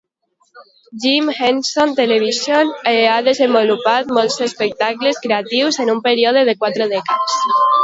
Jim Henson Television ha desenvolupat molts espectacles creatius en un període de quatre dècades.